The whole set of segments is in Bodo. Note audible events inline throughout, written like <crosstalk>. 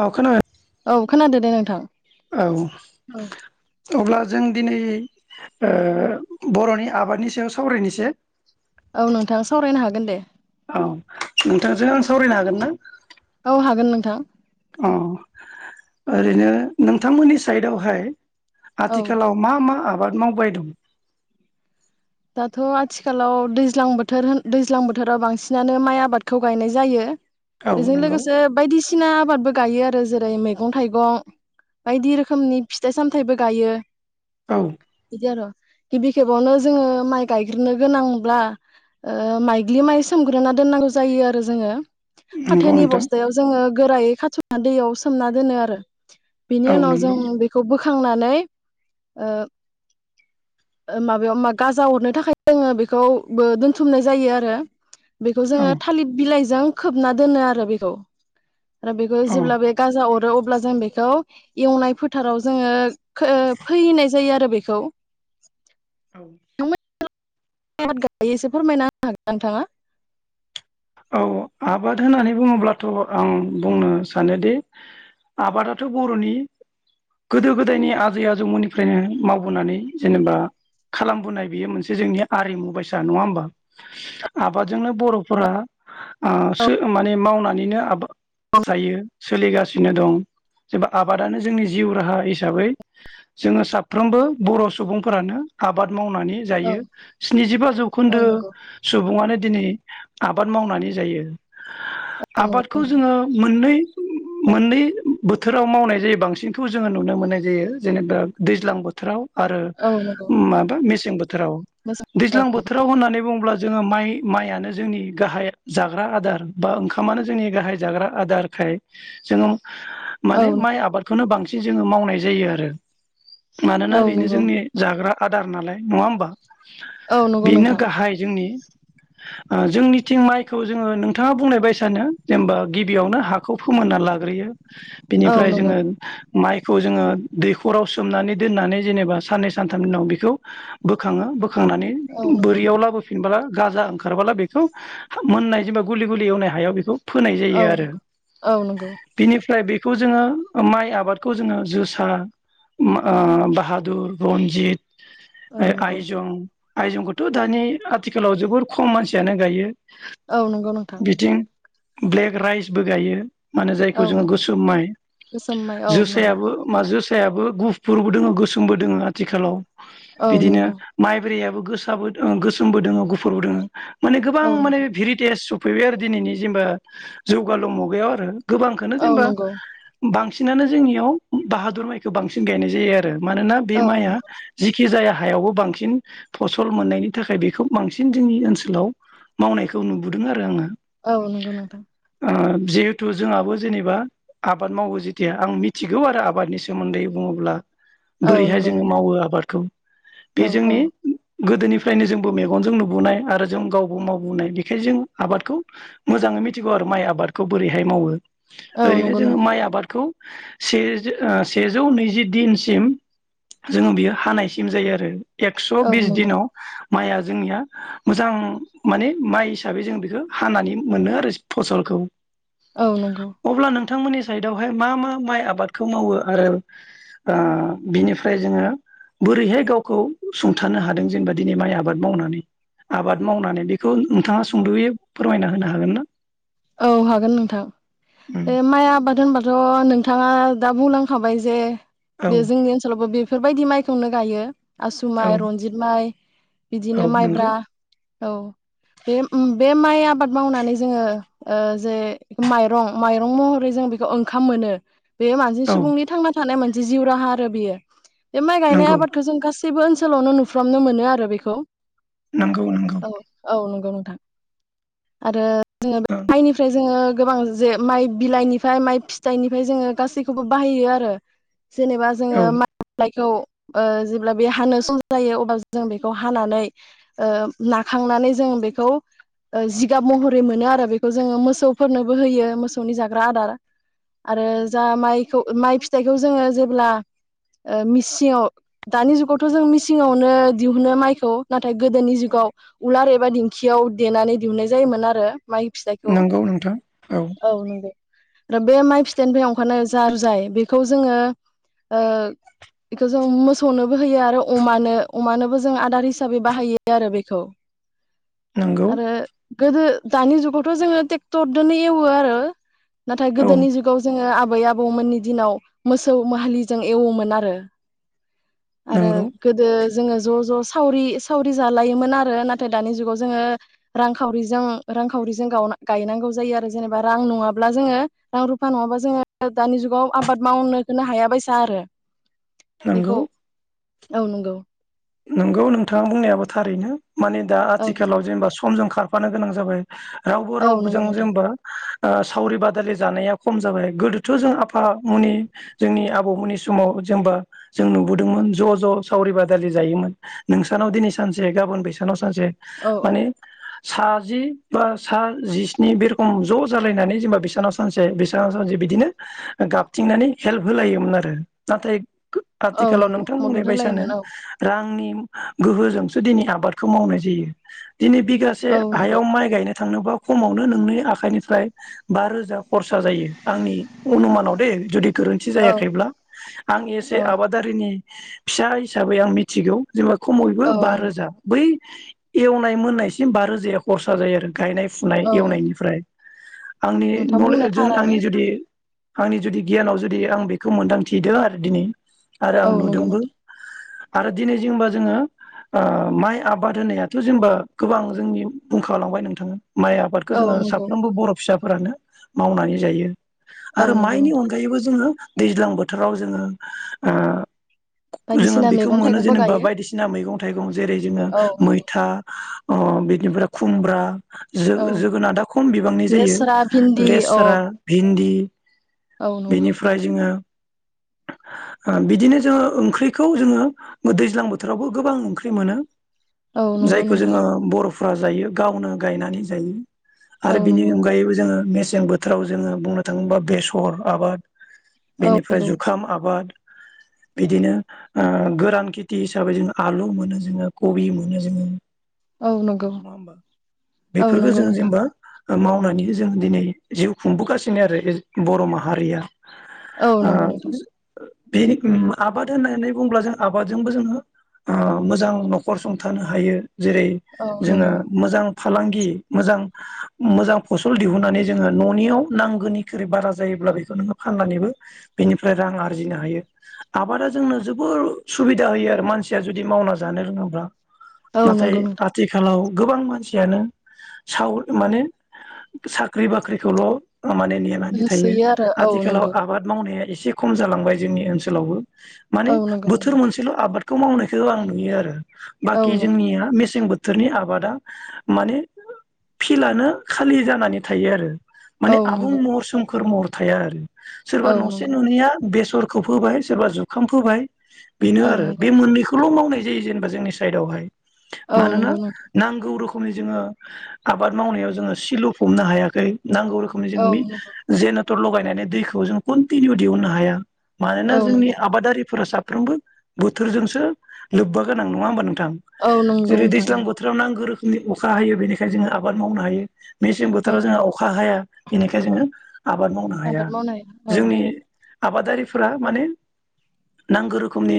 औ खोनादों औ खोनादो दे नोंथां औ औ अब्ला जों दिनै ओ बर'नि आबादनि सायाव सावरायनोसै। औ नोंथाङा सावरायनो हागोन दे औ नोंथांजों आं सावरायनो हागोन ना? औ हागोन नोंथां। अ ओरैनो नोंथांमोननि साइदआवहाय औ आथिखालाव मा मा आब आबाद मावबाय दं दाथ' आथिखालाव दैज्लां बोथोर होन दैज्लां बोथोराव बांसिनानो माइ आबादखौ गायनाय जायो। औ बेजों नंगौ लोगोसे बायदिस सिना आबादबो गायो आरो जेरै मैगं थाइगं बायदि रोखोमनि फिथाइ सामथाइबो गायो। औ बिदि आर' गिबि खेबावनोज जोङो माइ गायग्रोनो गोनांब्ला ओ माइग्लि माइ सोमग्रोना दोननांगौ जायो आरो जोङो। नंगौ फाथोनि नोंथां बस्थायाव जोङो गोरायै खाथिमनानै दैयाव सोमना दोनो आरो औ बेनि उनाव जों नंगौ बेखौ बोख खांनानै ओ ओ माबायाव माब गाजा हरनो थाखाय जोङो बेखौबो दोनथुमनाय जायो आरो बेखौ औ जोङो थालिर बिलाइ जों खोबना दोनो आरो बेखौ आरो बिखौ औ जेल्बा बे गाजा अरो अब्ला जों बेखौ एवनाय फोथाराव जोङो फोहैनाय जायो आरो बेखौ औ। नोंथांमोननि आबाद गायोसो फोरमायना होन हागोन नोंथाङा? औ आबाद होननानै बुङोब्लाथ' आं बुंनो सानोदि आबादाथ' बर'नि गोदो गोदायनि आजै आजौमोननिफ्रायनो मावबोनानै जेनेबा खालामबोनाय बेयो मोनसे जोंनि आरिमु बायसा नङा होमबा आबादजोंनो बर'फोरा ओ सो माने मावनानै निनो आबाद जायो सोलिगासिनो दं जेबा आबादानो जोंनि जिउ राहा हिसाबै जोङो साफ्रोमबो बर' सुबुंफोरानो आबाद मावनानै जायो औ स्निजिबा जौखोन्दो सुबुंयानो दिनै आबाद मावनानै जायो। नंगौ औ नंगौ आबादखौ जोङो मोननै मोननै बोथोराव मावनाय जायो बांसिनथ' जोङो नुनो मोननाय जायो जेनेबा दैज्लां बोथोराव आरो औ नंगौ माबा मेसें बोथोर बोथोराव मेसें औ दैज्लां बोथोराव होननानै बुङोब्ला जोङो माइ माइयानो जोंनि गाहाय जाग्रा आदार बा ओंखामानो जोंनि गाहाय जाग्रा आदारखाय जोङो औ माने नंगौ माइ आबादखौनो बांसिन एसे जोङो मावनाय जायो आरो मानोना औ बेनो नंगौ जोंनि जाग्रा आदार नालाय नङा होमबा? औ नंगौ बेनो नोंथां गाहाय जोंनि ओ जोंनि थिं माइखौ जोङो नोंथाङा बुंनाय बाय सानो जेनेबा गिबियावनो हाखौ फोमोनना लाग्रोयो औ बिनिफ्राय नंगौ जोङो माइ खौ जोङो दैखराव सोमनानै दोननानै जेनेबा साननै सानथाम उनाव बेखौ बोखाङो फोखांनानै औ नंगौ बोरियाव लाबोफिनब्ला गाजा ओंखारबाला बेखौ मोननाय जेनेबा गुलि गुलि एवनाय हायाव बेखौ फोनाय जायो औ आरो नंगौ औ नंगौ बेनिफ्राय बे खौ जोङो माइ आबादखौ जोङो जोसा, बाहादुर, रनजित औ नंगौ आइ-आइजं आयजंखौथ' दानि आथिखालाव जोबोर खम मानसियानो गायो औ नंगौ नोंथां बिथिं ब्लेक राइसबो गायो माने औ जायखौ जोङो नंगौ गोसोम माइ गोसोम माइ औ नंगौ जोसायाबो मा जोस सायाबो गुफुरबो दोङो गोसोमबो दोङो आथिखालाव औ बिदिनो नंगौ माइब्रैयाबो गोसाबो दो ओ गोसोमबो दोङो गुफुरबो दोङो मोन गोबां औ नंगौ माने भेरिटेस सफैबाय आरो दिनैनि जेनेबा जौगालु मुगायाव आरो गोबांखौनो औ जेनेबा नंगौ बांसिन बांसिनानो जोंनियाव बाहादुर माइखौ बांसिन गायनाय जायो आ रो मानोना बे औ माइआ जिखि जाया हायावबो बांसिन फसल मोननायनि थाखाय बेखौ बांसिन जोंनि ओनसोलाव मावनायखौ नुबोदों आरो आङो औ नंगौ नोंथां ओ जिहेथु जोंहाबो जेनेबा आबाद मावो जेथिया आं मिथिगौ आरो आबादनि सोमोन्दै बुङोब्ला औ बोरैहाय नंगौ जोङो नोंथां मावो आबादखौ औ बे औ जोंनि गोदोनिफ्रायनो जोंबो मेगनजों नुबोनाय आरो जों गाव गाव मावबोनाय बेखायनो जों आबादखौ मोजाङै मिथिगौ आरो माइ आबादखौ बोरैहाय मावो औ ओरैनो नंगौ जोङो नोंथां माइ आबादखौ से ओ सेजौ नैजि दिनसिम जोङो बियो हानायसिम जायो आरो एक्स' औ बिस नंगौ दिनाव माइया जोंनिया मोजां माने माइ हिसाबै जों बेखो हानानै मोनो आरो फसलखौ औ नंगौ थांमोननि साइदआवहाय मा मा माइ आबादखौ मावो आरो ओ बिनिफ्राय जोङो बोरैहाय गावखौ सुंथानो हादों जेनेबा दिनै माइ आबाद मावनानै आबाद मावनानै बेखौ नोंथाङा सुंद'यै फोरमायना होनो हागोन ना? औ हागोन नोंथां उम बे माइ आबाद होनबाथ' नों थाङा दा बुंलांखाबाय जे औ बे जोंनि ओनसोलावबो बेफ फोरबायदि माइखौनो गायो आसु औ माइ रनजित माइ बिदिनो औ नंगौ माइब्रा औ बे बे माइ आबाद मावनानै जोङो ओ जे माइरं माइरं महरै जों बेखौ ओंखाम मोनो बे मानजि औ सुबुंनि थांना थानाय मोनसे जिउ राहा आरो बियो। बे माइ गायनाय नंगौ आबादखौ जों गासै बो ओनसोलावनो नुफ्रामनो मोनो आरो बेखौ। नंगौ नंगौ औ औ नं गौ नोंथां आरो मायनिफ्राय जोङो गोबां जे माइ बिलाइनिफ्राय माइ फिथाइनिफ्राय जोङो गासैखौबो बाहायो आरो जेनेबा ओं जोङो <unintelligible> खौ ओ जेब्ला बे हानो सम जायो अब्ला जों बेखौ हानानै ओ नाखांनानै जों बेखौ ओ जिगाब महरै मोनो आरो बे खौ जोङो मोसौफोरनोबो होयो मोसौनि जाग्रा आदार आरो औ जा माइ खौ माइ फिथाइखौ जोङो जेब्ला ओ मिसिङाव दानि जुगावथ' जों मिसिङावनो दिहुनो माइखौ ना थाय गोदोनि जुगाव उलार एबा दिंखियाव देनानै दिहुननाय जायोमोन आरो माइ फिथाइखौ नोंगौ नोंथां औ। आरो बे माइ फिथनिफ्राय ओंखारनाया जार जाय बेखौ जोङो ओ बेखौ जों मोसौनोबो होयो आरो अमानो अमानोबो जों आदार हिसाबै बाहायो आरो बेखौ। नंगौ आरो गोदो दानि जुगाव थ' जोङो टेक्टरदोनो एवो आरो। नाथाय औ गोदोनि जुगाव जोङो आ बै आबौमोननि दिनाव मोसौ माहालिजों एवोमोन आरो आरो नंगौ गोदो जोङो ज' ज' सावरि सावरि जालायोन आरो नाथाय दानि जुगावव जोङो रांखावरिजों रांखावरि जों गावना गायनांगौ जायो आरो जेनेबा रां नङाब्ला जोङो रां रुफा नङाबा जोङो दानि जुगाव आबाद मावनोखोनो हायाबायसा आरो। नोंगौ। बेखौ औ नोंगौ। नोंगौ नोंथाङा बुंनायाबो थारैनो। माने दा औ आथिखालाव जेनेबा समजों खारफानो गोनां जाबाय। रावबो औ नंगौ रावबोजों नोंथां जेनबा ओ सावरि बादालि जानाया खम जाबाय गोदोथ' जों आफा मुनि जोंनि आबौमोननि समाव जेनबा जों नुबोदोंमोन ज' ज' सावरि बादालि जायोमोन नोंसानाव दिनै सानसे गाबोन बैसानाव सानसे औ औ माने साजि बा सा जिस्नि बे रोखम ज' जालायनानै जेनेबा बिसानाव सानसे बिसानाव सानसे बिदिनो गाबथिंनानै हेल्प होलायोमोन आरो नाथाय औ आथिखालाव नंगौ नोंथां बुंनाय मदद बायसानो होलायोमोन औ रांनि गोहोजोंसो दिनै आबादखौ मावनाय जायो। दिनै बिगासे औ नंगौ हायाव माइ गायनो थांनोबा खमावनो नोंनि आखाइनिफ्राय बा रोजा खरसा जायो आंनि अनुमानाव दे जुदि गोरोन्थि औ जायाखैब्ला आं एसे औ आबादारिनि फिसा हिसाबै आं मि थिगौ जेनेबा खमैबो औ बा नंगौ रोजा बै एवनाय मोननायसिम बा रोजाया खरसा जायो आरो गायनाय फुनाय औ एवनायनिफ्राय आंनि नोंथां नले बुंनाया जों थारानो आंनि जुदि आंनि जुदि गियानाव जुदि आं बेखौ मोन्दांथिदो आरो दिनै आरो औ आं नंगौ नुदोंबो। नोंथां आरो दिनै जेनेबा जोङो ओ माइ आबाद होननायाथ' जेनेबा गोबां जोंनि बुंखालांबाय नोंथाङा माइ आबादखौ औ जोङो नंगौ साफ्रोमबो बर' फिसा फोरानो मावनानै जायो। औ आरो नंगौ माइनि नोंथां अनगायैबो जोङो दैज्लां बोथोराव जोङो ओ बायदिसिना मे खौ मोनो जेनेबा बायदिसिना मैगं थाइगं जेरै जोङो औ नंगौ मैथा अ बिनिफ्राय खुमब्रा औ जो-जोगोनादा खम बिबांनि जायो लेस्रा भिन्दि अ लेस्रा भिन्दि औ नंगौ बेनिफ्राय जोङो ओ बिदिनो जोङो ओंख्रिखौ जोङो दैज्लां बोथोरावबो गोबां ओंख्रि मोनो औ नंगौ जायखौ नोंथां जोङो बर फोरा जायो गावनो गायनानै जायो औ आरो बिनि नंगौ अनगायैबो जोङो मे सें बोथोराव जोङो बुंनो थाङोब्ला बेसर आबाद औ बेनिफ्राय नंगौ जुखाम आबाद बिदिनो ओ दान खेथि हिसाबै जोङो आलु मोनो जोङो कबि मोनो जोङो औ नंगौ नङा होमबा औ बेफोरखौ नंगौ जों नोंथां जेनेबा मावनानै जोङो दिनै जिउ खुंबोगासिनो आरो बर' माहारिया औ आ नंगौ नोंथां बे आबाद होननानै बुंब्ला जों आबादजोंबो जोङो ओ मोजां न'खर संथानो हायो। जेरै औ जोङो नंगौ मोजां फालांगि मोजां मोजां फसल दिहुननानै जोङो न'नियाव नांगौनिख्रुइ बारा जायोब्ला बेखौ नोङो फाननानैबो बेनिफ्राय रां आरजिनो हायो आबादा जोंनो जोबोर सुबिदा होयो आरो मानसिया जुदि मावना जानो रोङोब्ला औ नाथाय नंगौ नोंथां आथिखालाव गोबां मानसियानो साव माने साख्रि बाख्रिखौल माने नेनानै थायो होसोयो आरो औ आथिखालाव नंगौ आबाद मावनाया एसे एसे खम जालांबाय जोंनि ओनसोलावबो। माने औ नंगौ बोथोर मोनसेल आबाद थ मावनायखौ आं नुयो आरो औ बाखि नंगौ जोंनिया मेसें बो बोथोरनि आबादा माने फिलडआनो खालि जानानै थायो आरो माने औ आबुं नंगौ महर सोमखोर महर थाया आरो सोरबा औ नसे नंगौ नुनिया बे रखौ फोबाय सोरबा जुखाम फोबाय बेनो औ आरो बे नंगौ मोननैखौल' मावनाय जायो जेनेबा जोंनि साइडआवहाय औ मानोना नंगौ नोंथां नांगौ रो खोमनि जोंङो आबाद मावनायाव जोंङो सिलुफबनो हायाखै। नांगौ रोखोमनि औ जोंङो मि नंगौ जे टर लगायनानै दैखौ जों कन्टिनिउ दिहुननो हाया। मानोना औ जोंनि नंगौ आबादारिफोरा सा फ्रोमबो बोथोरजोंसो लोब्बा गोनां नंङा होमबा नों थां औ नंगौ जेरै नोंथां दैज्लां नंगौ बोथोराव नांगौ रो नि अखा हायो बेनिखाय जोंङो आबाद मावनो हायो। मेसें औ बोथोराव जोंहा अखा हाया बिनिखाय जोंङो आबाद मावनो हाया आबाद मावनाय औ जोंनि आबादारिफोरा माने नांगौ रोखोमनि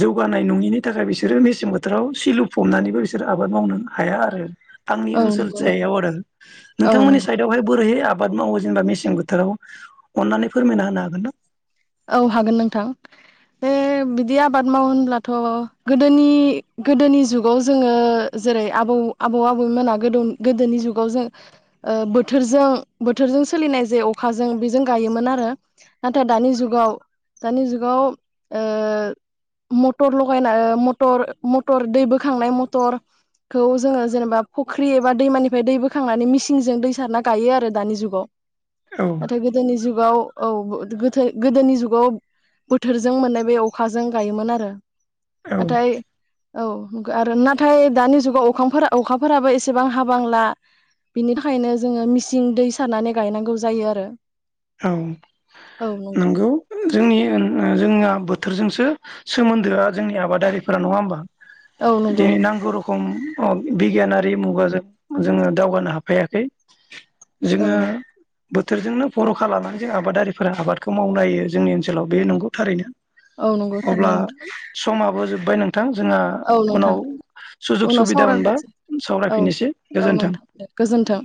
जौगानाय नंङिनि थाखाय बिसोरो मेसें बोथोराव सिलुफबनानैबो बिसोरो आबाद मावनो हाया आरो। आंनि औ ओनसोल नंगौ नोंथां सायाव आरो औ नोंथांमोननि नंगौ साइडआवहाय बोरैहाय आब आबाद मावो जेनेबा मेसें बोथोराव अननानै फोरमायना होनो हागोन ना औ हागोन नोंथां बे बिदि आबाद मावो होनब्लाथ' गोदोनि गोदोनि जुगाव जोंङो जेरै आबौ आबौ आबैमोना गो गोदोनि जुगाव ओ जों बोथोरजों बोथोरजों सोलिनाय जे अखाजों बेजों गायोमोन आरो नाथाय दानि जुग गाव दानि जुगाव ओ मटर लगायना ओ मटर मटर दै बोखांनाय मटरखौ जोंङो जेनेबा फुख्रि एबा दैमानिफ्राय दै बोखांनानै मिसिनजों दै सारना गायो आरो दानि जुगाव। औ नाथाय गोदोनि जुग गाव औ गो गोथै गोदोनि जुगाव बोथोरजों मोननाय बे अखाजों गायोमोन आरो औ नाथाय औ आरो नाथाय दानि जुगाव अखांफोरा अखाफोराबो एसेबां हाबांला बिनि थाखायनो जोंङो मिसिन दै सारनानै गायनांगौ जायो आरो औ नंगौ जोंनि ओआ जोंना बोथोरजोंसो सोमोन्दोआ जोंनि आबादारिफोरा नङा होमबा औ नंगौ दिनै नांगौ रखम अ बिगियानारि मुगाजों जोंङो दावगानो हाफायाखै। औ जोंङो नंगौ बोथोरजोंनो बर'खा लानानै जों आबादारिफोरा आबादखौ मावनो हायो जोंनि ओनसोलाव बे नंगौ थारैनो औ नंगौ अब्ला थारैनो नोंथां। समाबो जोब्बाय नों थां जोंहा औ नोंथां उनाव सुजुग उनाव सुबिदा मोनबा सावरायबावनोसै औ सावरायफिननोसै औ गोजोन्थों। नोंथां दे गोजोन्थों